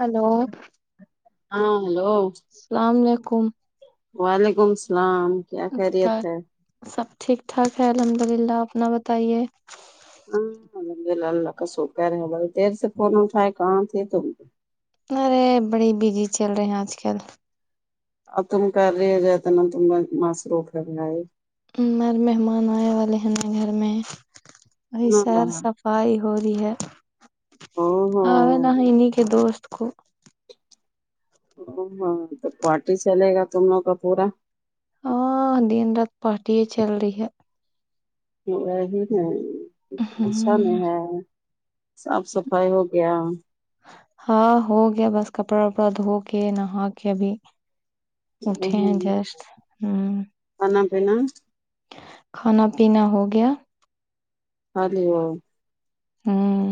hello ہاں hello السلام علیکم وعلیکم السلام کیا خیریت ہے سب ٹھیک ٹھاک ہے الحمد للہ اپنا بتائیے ہاںبے ل ال ل ک سو کر تیر سے فون تھاائے کہاں ت تو ارے بڑی بزی چل رہے ہیں آج کل ا تم کر رہے رہ تو تم ماس روک رہ رہا ہے ر مہمان آئے والے ہیں ن گھر میں وہی کون آ سر رہا سب پائی ہو رہی ہے او ہو ہاں نہا انہیں کے دوست کو او ہاں تو پارٹی چلے گا تم لوگ کا پورا ہ دن رات پارٹی چل رہی ہے وہی ہے ہ اشا میں ہے صاف صفائی ہو گیا ہاں ہو گیا بس کپڑا وپڑا دھو کے نہا کے ابھی اٹے جاس ہوں کھانا پینا کھانا پینا ہو گیا کھالیے ہو ہمم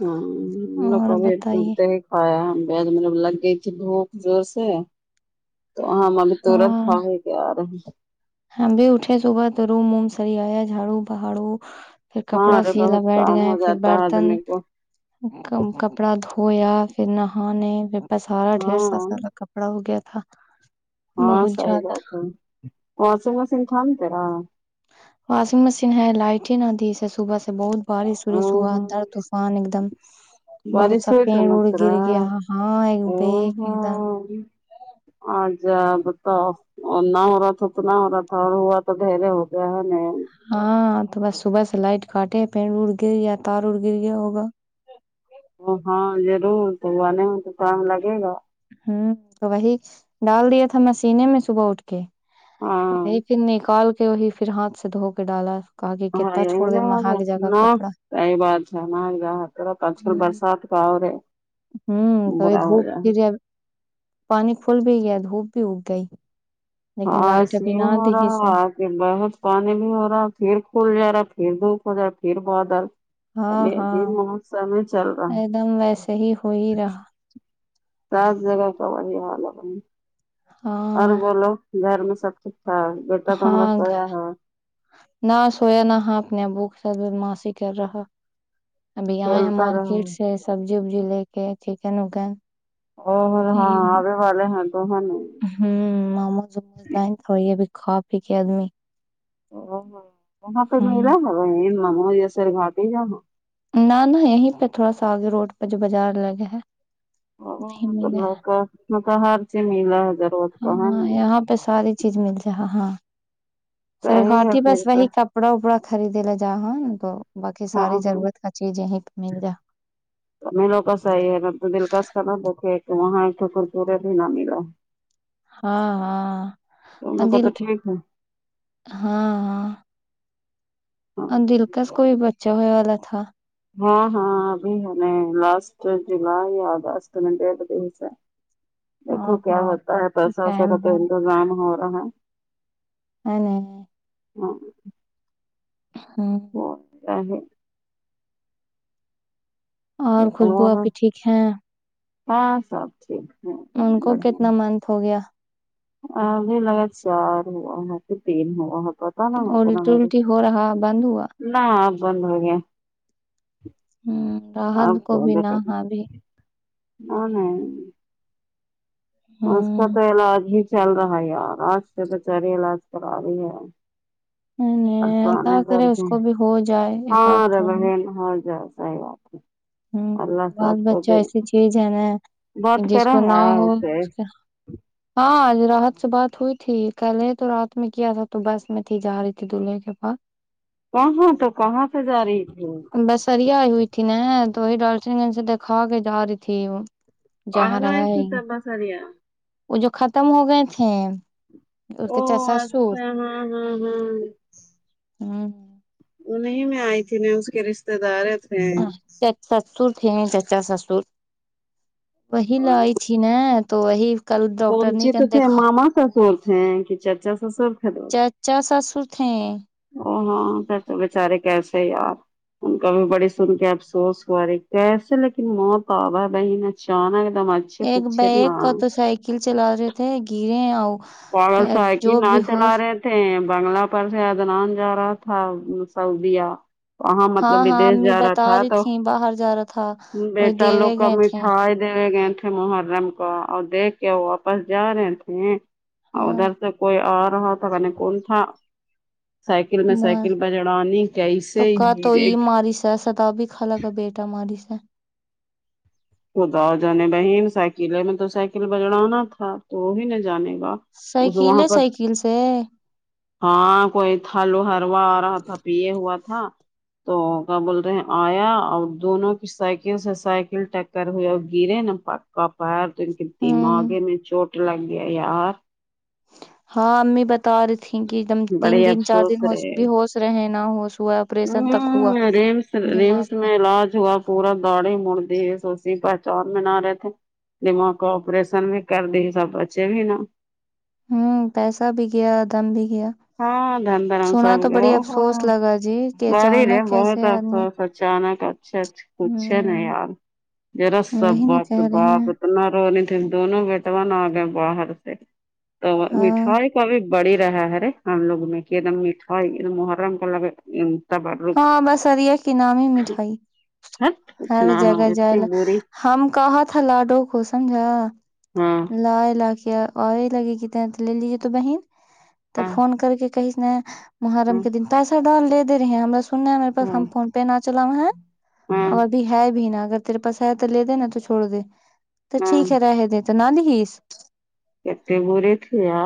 ہاں لوگ بھی توڑ تو ہ مطلب لگ گئی تھی بھوک زور سے تو ہم ابھی تورنت [unintelligible] ہاں بھی اٹے صبح تو رو موم سر آیا جھاڑو پہاڑو پھر ہاں کپڑا ارے سلا بہت بیٹھ کام گئے ہو پھر جاتا ہے برتن آدمی کو کپڑا دھویا پھر نہانے پ سارا ڈھیڑر سو ہاں سالا کپڑا ہو گیا تھا ہاں بہت صحیح زیادہ بات پہنچ بس انسان سے واشنگ مشین ہے لائٹ ہی نہ دیھی اسے صبح سے بہت بارش او وورش ہوا اندر ہو طوفان ایک دم بہت سا بارش ہوئی کا پینین اڑ مترا گر گیا ہاں ایک او بیک ایک دم آچ جا بتاؤ انا ہو رہا تھا اتنا ہو رہا تھا اور ہوا تو ڈھیرے ہو گیا ہے ن ہاں تو بس صبح سے لائٹ کاٹے پھر اڑ گر یا تار اڑ گر گیا ہوگا ا ہاں ضرور تو گنے ہ تو ٹائم لگے گا ہوں تو وہی ڈال دیا تھا م سنے میں صبح اٹھ کے ہاں ایکیکن نکال کے وہی پھر ہاتھ سے دھو کے ڈالا کہا کہ کتنا ہاںگ چھوڑ دے مہاگ جگہ کپڑا نہئی بات ہے م گا ط اج کل برسات کاؤ رہ ہے ہوں تو برا ہو دھوپ جائے گھر ج پانی کھول بھی دھوپ بھی اگ گئی لیکن ہاں س لائٹ ابھی نہ مور دی سے ہ بہت پانی بھی ہو رہا پھر کھل جا رہا پھر دھوپ ہو جا پھر بادال ہاں ابھیدی ہاں موتسم میں چل رہا ہ ایک دم ویسے ہی ہو ہی رہا سس جگا سمجے وال ل ب ہاں اور بولو گھر میں سب ٹھ ا ہاں گھر نہ سویا نہ ہاں اپنےبوک سے بدماسیی کر رہا ابھی آئے ہیں کھیلتا مارکیٹ رہے سے سبزی وبزی لے کے چکن وکن اور ہاں آے والے ہیں تو ہے ن ہوں موموز ووموز لائیں تو وہ ا بھی کھا پی کے آدمی ا وہاں پ ہوں ملا ہو منو جیسر گاٹ ہی جاں نہ نہ یہیں پہ تھوڑا سا آگے روڈ پہ جو بازار لگے ہے او نہیں تو ل ملا ہے کا مت ہار سے میلا ہزار ہو ہاں ہاں یہاں پہ ساری چیز مل جائے ہاں صحیح ہے سرارٹی بس پھر تو وہی کب کپڑا اپڑا خریدے لا جاا نا تو بای ساری ضرورت کا چیز یہیں پ مل جا [inaudible] مینو کا صحیح ہے ن تو دلکش کر نہ دیکھے کہ وہاں تو ککورے بھی نہ ملا [inaudible] ہاں تو ان ہاں لوگ کا دل تو ٹھیک ہے ہاں ہاں ہاں اور دلکس کوئی بچا ہوئے والا تھا ہاں ہاں ابھی ہمیں لاسٹ جولائی یا اگست میںدیس ہے دیکھو ہاں کیا ہاں ہوتا سب ہے تو پیسہ ویسا ٹائم کا تو ہے انتظام ہو رہا ہے ا ہاں ہاں ہ ہے اور ہے خوشبو آ اور بھی ٹھیک ہے ہاں سب ٹھیک ہےم ان کو بڑھیا کتنا منتھ ہو گیا ا ابھی لگا چار ہوا ہے پھر تین ہوا ہے پر اور الٹی الٹی ہو رہا بند ہوا نہ بندوگے ہوں آ راحت کو کوٹ بھی نہ ہاں بھی نہیں ہاں اس کا تو علاج ہی چل رہا ہے یار آج سے بچاری علاج کرا رہی ہے نہیں اور نہیں تو اللہ کرے اس کر کو بھی ہو جائے ایک آدھ ہاںرے تھوڑی بہن ہو جائے سحی بات ہے ہوں اللہ بال سب کو بچہ دے ایسی چیز ہے نا جس کو نہ ہو ہ [unintelligible] ہاںج رات سے بات ہوئی تھی کہلے تو رات میں کیا تھا تو بس میں تھی جا رہی تھی دلہے کے پاس [unintelligible] کہاں تو کہاں سے جا رہی تھی بسریا ہوئی تھی نا تو وہی ڈالسن گنج سے دیکھا کے جا رہی تھی وہ [unintelligible] پل ہے رہا یہ کتب سریا وہ جو ختم ہو گئے تھے اس او کے چچا سسر اچھا ہاں ہاں ہاں ہاں [unintelligible] انہیں میں آئی تھی ن اس کے رشتے دار تھے چ سسر تھے چچا سسر وہی لائی تھی ن تو وہی کل ڈاکٹر نے کانچی کہ تو تھ دیکھا ماما سا سوولتے ہیں کہ چاچا ساسر خدم ہو چاسسور تھے او ہاں س توے بچارے کیسے یار ان کا بھی بڑی سن کے افسوس ہوا رہی کیسے لیکن موت آبا ہے بہن اچانک دم ایک پوچھے تھے بیگ ہاں کا تو سائیکل چلا رہے تھے گرے ہیں آ پارس سائکل نہ چلا رہے تھ بنگلہ پر سے ادنان جا رہا تھا سعودیہ وہاں مطلب ہاں ہاں بدیش امی جا رہا بتا تھا رہی تو تھی باہر جا رہا تھا وہی بیٹا لوگ دیوے کا گئے تھے میٹھا دے گئے تھے محرم کو اور دیکھ کے وہ واپس جا رہے تھے ہاں ادھر سے کوئی آ رہا تھا کنے کون تھا سائیکل میں مار سائیکل پرہ چڑھانی کیسے گرے جسا توب بھی خال کا بیٹا ماری سے خدا جنے بہن سائیکلیں میں تو سائیکل بجڑانا تھا تو وہی نہ جانے گا اس سائکل وہاں ہے پر سائیکل سے ہاں کوئی تھالو ہروا آ رہا تھا پیے ہوا تھا تھا تو کیا بول رہے ہیں آیا اور دونوں کی سائیکل سے سائیکل ٹیک کر ہوئے گرے نا پککا پار تو ان کے ہوں دماغے میں چوٹ لگ گیا یار ہاں امی بتا رہی تھھی کہ ایک دم تین بڑے دن چار دن افسوس ہو رہے بھی ہوس رہے ہیں نہ ہوش ہوا آپریشن تک ہوا دماغ رمس کا میں علاج ہوا پورا داڑھی مڑ دی سوی پہچان م نہ رہے تھے [unintelligible] دماغ کا آپریشن بھی کر دی سب بچے بھی نا ہوں پیسہ بھی گیا دم بھی گیا ہاں دن دھرم سنا سب تو ہو بڑی افسوس لگا جی کہ گ رہے اچانک بہت کیسے آدمی افسوس اچانک اچھا اچھا کچھ ہے ن ہوں یار جرا سب وہی نا کہہ رہے پرباب ہیں اتنا رونی تھی دونوں بیٹوان آ گئے باہر سے تو ہاں مٹھائی کا بھی [unintelligible] بڑی رہا ہےرے ہم لوگ میں کہ ایک دم میٹھا ایکم محرم کا ل ہاں بسریا کے نام ہی مٹھائی ہت کچھ ہر نہ ہاں جگہ جائے اتنی ل بری ہم کہاں تھا لاڈو کو سمجھا ہاں لا ع لاقے [unintelligible] کہ لگے گ ت لے لیجے تو بہن تب ہاں فون کر کے کہیس ن محرم ہاں کے دن پیسا دا لے دے رہی ہیں ہم سن ہے ہمےاس ہم ہاں فون پہ نہ چلاؤا ہے ہاں اور ابھی ہے بھی نا اگر تیرے پاس ہے تو لے د نا تو چھوڑ دے تو ہاں ٹھیک ہے رہے دے تو نہ لس [unintelligible] کتے بورے تھے آ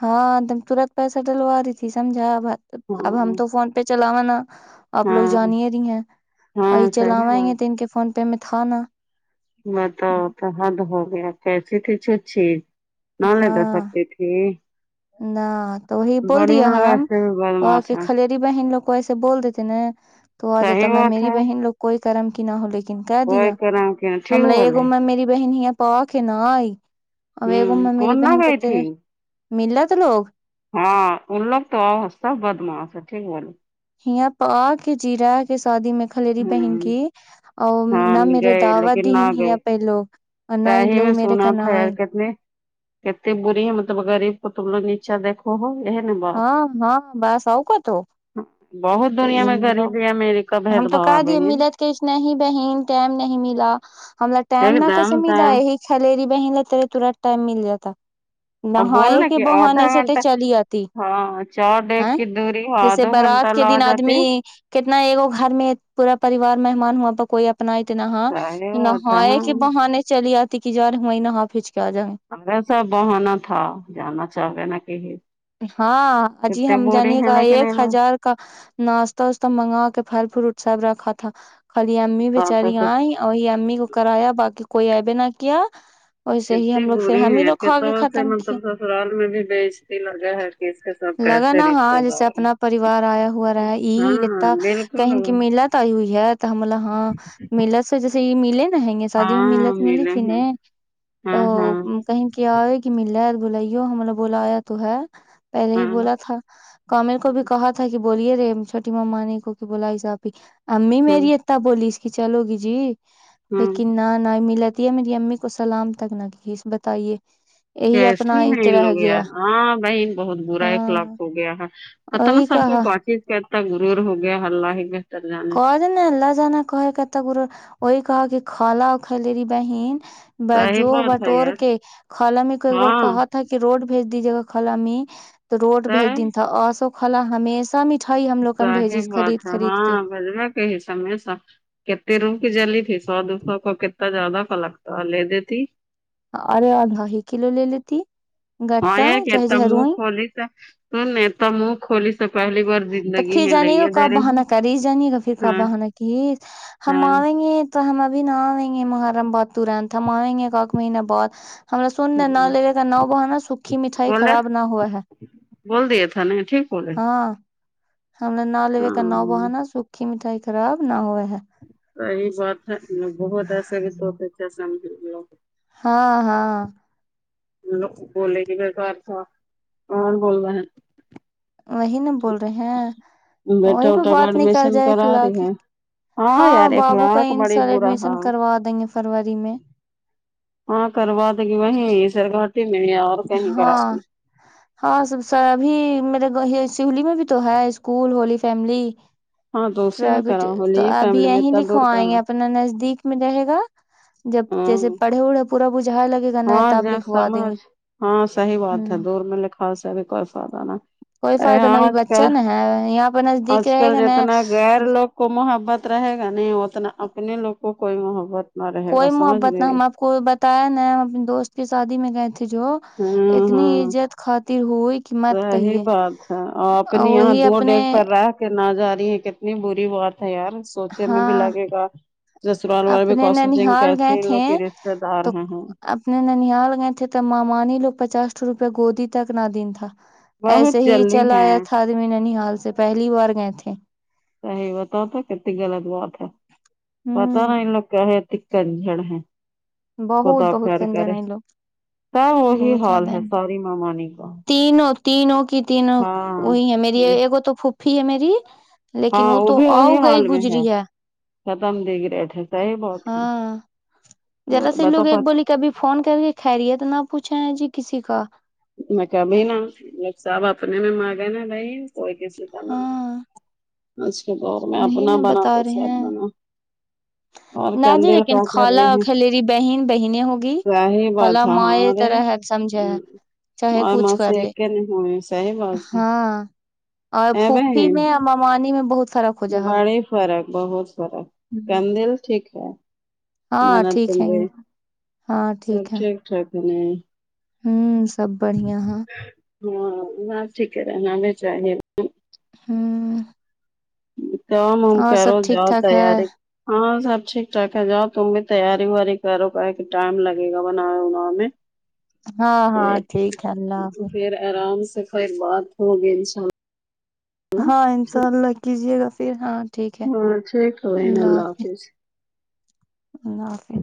ہاں تورت پیسہ ڈلوا رہی تھی سمجھا اب ہم ہاں تو فون پہ چلاوانا آپ لوگ ہاں جانیے نہیںی ہیں ا ہاں صحیح چلاوائیں گے بات تو ان کے فون پ پ میں تھاانا [unintelligible] بتاؤ تو حد ہو گیا کیسی تھی چھ چھی نہ لے تو ہاں سکتی تھی ج [unintelligible] نہ تو وہی بول دیا ان لوگ ہم ایسے بھی کہ بدماش کے ہیں خل بہن لو کو ایسے بول دیتے نا تو آ جاتا صحیح میں بات میری ہے بہن لوگ کوئی کرم کی نہ ہو ل لن کہ وہی دیا کہہ رہے کہ ٹھیک بولے ہملہےمر میری بہن یہ پا کے نہ آئی اگ ہوں میں میری کون نہ بہن کو گئی تیرے تھی مل رہ تھا لوگ ہاں ان لگ تو اوستہ بدماس ہے ٹھیک بولے یہ پا کے جیرا کے شادی میں خلری بہن ہوں کی ا ہاں نہ میرے دعوت دن ہی آ پہ لوگ اور ت نہ ان ہی لوگ میں میرے سنا کا نہ تھا آئی رکت نے [inaudible] کتنی بری ہے مطلب غریب کو تم لوگ نیچا دیکو او یہ نبا [inaudible] ہاں ہاں بس ہو کو تو [inaudible] بہت دنیا میں ان لوگ غریبی ہے میری کب ہے [inaudible] ہم تو کہ د بہن ملت ک نہیں بہن ٹم نہیں ملا ہم ٹم ایک نہ کیسے دم تھا ملا ہے [inaudible] خلری بہ ل تے تورت ٹائم مل جاتا [inaudible] اور نہائے بولنا کے کہ آدھا بہانے سے تو گھنٹہ چلی آتی ہاں چار ہے ڈیک کی دوری ہو جیسے آدھا گھنٹہ بارات کے لا دن جاتے آدمی کتنا ایکگو گھر میں پورا پریوار مہمان ہواں پ کوئی اپنا تو نہا تھا نہاائے ہاں کہ بہانے چلی آتی کہ جاار ہویں نہا پھینچ کے آ جائیں گے [inaudible] ہما ساب بہانا تھا جانا چاہ گے نا کہیں [inaudible] ہاں ا جی کتنے ہم بوری جانیے ہیں گا لیکن ایک یہ ہزار [unintelligible] کا ناشہ واسہ منگا کے پھل فروٹ سب رکھا تھا خلی امی لوگ بیچاری آ وہی امی کو کرایا باقی کوئی ایبے نہ کیا [inaudible] ویسے ہی کتنی ہم لوگ پھر ہم ہی لو کھ کے ختم کے [inaudible] سال میں بھی بیچتی لگا ہے کہ اس کا [inaudible] لگا نا ہاں جیسے اپنا پریوار آیا ہوا رہا ہاں یہ ہاں اتا [inaudible] بالکل کہیں کی میلات آئی ہوئی ہے تو ہمل ہاں میلا سے جیسے یہ ملے نا [inaudible] شادی میں ہاں ملت ملی ملے تھی ہیں ن ہاں ہاں تو کہیں [inaudible] کیا آئے کہ مل رہا ہے بلو ہم نے بولا آیا تو ہے پہلے ہی ہاں بولا تھا [inaudible] کمل کو بھی کہا تھا کہ بولیے رے چھٹی مما نے کو کہ بلاائی صاب بھی امی ہوں میری ہے [inaudible] بولیس کہ چلو گی جی ہوں لیکن نہ نہ ملا [inaudible] میری امی کو سلام تک نہ کہ بتائیے یہی اپنا کیسے ا ہیں ان رہ لوگ گیا یار [inaudible] ہاں بہن بہت برا ہے خلاق ہاں ہو گیا ہے پتا نا وہی سب کو کہا پنچی [inaudible] کہتا گرور ہو گیا حلہ ہی بتر جان [inaudible] ن ل جانا کہ کا ت وہی کہ کہ کھلا ا کلی بہن [inaudible] ب صحیح جوہ بات ہے بٹور یار کے خالمی کو ایک بار ہاں کہ [inaudible] تھا کہ روڈ بھیج دیجیے گا کلا میں تو روڈ بھیج صحیح دین تھا اور سو کلا ہمیشہ میں [inaudible] ھ ہی ہم لوگن بھیجی صحیح بات خرید ہے خرید [inaudible] ہاں بجو کے ہے سم سا کتتے روم کی جلی تھی [inaudible] سو دو سو کو کتنا زیادہ کا لگتا لے دیتی [inaudible] ارے اور دھائی کلو لے لیتی [unintelligible] گٹا ہاں چاہے تو م جہروئی خولیس سن تو م خولیس [inaudible] تو پھر جانیے گا کب بہانہ ہیں کری جانیے گا پھر کا ہاں بہانہ کی [inaudible] ہم ہاں آئیں گے تو ہم ابھی نہ آئیں گے محرم باد ترنت ہم آئیں گے کاک مہینہ بہت [inaudible] ہما سن ن نہ ہاں لے کا نا بہ نا سکھی مٹھائی بولے خراب نہ ہوا ہے [inaudible] بول دیے تھا ن ٹھیک [inaudible] ہاں ہم نے نہا لیوے کا نا ہاں بہانا سوکھی مٹھائی خراب نہ ہوئے ہے [inaudible] صی بات ہے بہت ایسا کہ سو اچھا سمج لو [inaudible] ہاں ہاں لو بولے گی میرے گھر تھا کون بول رہ ہے [inaudible] وہی نا بول رہے ہیں ہیں وہی بیٹا پہ وٹا کا بات نکل ایڈمیشن جائے کرا خلا رہی کی ہے ہاں یار بابو کا اخلاق ان بڑی سر برا ایڈمیشن ہاں کروا دیں گے فروری میں ہاں کروا د گی وہیں سرگاٹی میں اور [inaudible] ہاں [inaudible] ہاں سب سر ابھی میرے یہ سولی میں بھی تو ہے اسکول ہولی فیملی ہاں تو [inaudible] اسی میں ربٹ کرا تو ہولی ابھی فیملی میں یہیں اتنا لکھو دور آئیں کرنا گے اپنا نزدیک میں رہے گا جب ہاں جیسے پڑھے اڑے پورا بجھا لگے گا [inaudible] ہاں ج لکھوا دیں گے سمجھ ہاں صحیح بات ہے ہوں دور میں لکھا سے اب کوئی فائدہ نہ کوئی ارے فائدہ ہاں نہ ابھی آج کل بچہ نا ہے یہاں پہ آج نزدیک کل رہے گا نا جتنا غیر لوگ کو محبت رہے گا نہیں اتنا اپنے لوگ کو کوئی محبت نہ رہے گا کوئی سمجھ محبت نہ گئے ہم آپ کو بتایا ن ہم اپنے دوست کی شادی میں گئے تھے جو ہاں اتنی ہاں عزت خاطر ہوئی کہ مت صحیح کہیے بات ہے اور وہی اپنے کہ نہ جا رہی ہے کتنی بری بات ہے یار سوچنے میں بھی ہاں لگے گا جسرال وال بھی اپنے کوسم سنگھ ننحال کیسے ان لوگ کے رشتے دار ہیں اسنے ننیاال گئے تھے تو مامانی لوگ پچاس سو روپئے گودی تک نہ دین تھا ایسے بہت ہی جلدی چلا ہیں آیا تھا آدمی نن حال سے پہلی بار گئے تھے صحی بت تھا کتنی غلط بات ہے پتا ہوں نا ان لوگ کہے کنجڑ ہے بہت بہت خداخیر کنجر کرے ہیں یہ لوگ س وہی بہت حال زیادہ ہے ان ساری مامانی کا تینوں تینوں کی تینوں وہی ہے میری ہاں اگو تو پھپھی ہے میری لیکن ہاں وہ تو بھی آؤ وہی گئی حال میں گزری ہے ختم دے کر ر اٹا ہاں وہ جرا س لوگ ایک بتوفت بول کبھی فون کر کے خریی ہے تو نہ پوچھا جی کسی کا میں کبھی نا ل سب اپنے میں مگا نا بھائی کوئی کی س کانا ہاں آج کے دور میں وہی اپنا نا بنا بتا تو رہے سید ہیں بنا اور نہ جی کندل لیکن کا کر خالہ رہے ہیں خلری بہن بہنےیں ہوگی صحیح خال بات ہے ماں یہ ہاں رے طرح ہے سمجھیں چاہے اور کچھ کر ماسی لے ایکے نہیں ہوئے صحیح بات ہے ہاں اور اے پھوپھی میں بہن انی میں بہت فرق ہو جہا بڑی فرق بہت فرق ہوں کندل ٹھیک ہے ہاں نان ٹھیک ہے تمے ہاں سب ہے ٹھیک ٹھاک ہے ہوں سب بڑھیا ہ ہاں بس ٹھیک ہے رہ ہم میں چاہیے ہوں تومم اور کرو سب ٹھیک جاؤ ٹھاک ہے تیاری ہاں سب ٹھیک ٹھاک ہے جاؤ تم بھی تیاری ویاری کرو کہے کہ ٹائم لگے گا بناے بناان میں ہاں ہاں پھر ٹھیک ہے اللہ حافظ پھر آرام سے خیر بات ہوگی ان شاء اللہ ہاں انشاء اللہ کیجیے گا پھر ہاں ٹھیک ہے ہاں ٹھیک ہے بہن اللہ حافظ اللہ اوفے